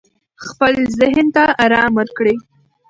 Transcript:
خپل ذهن ته آرام ورکړئ.